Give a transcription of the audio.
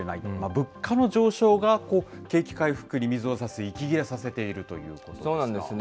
物価の上昇が景気回復に水を差す、息切れさせているということですそうなんですね。